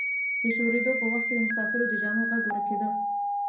د شورېدو په وخت کې د مسافرو د جامو غږ ورکیده.